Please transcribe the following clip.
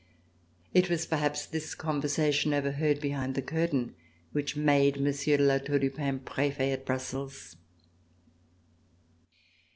It was perhaps this conversation overheard behind the curtain which made Monsieur de La Tour du Pin Prefet at Brussels.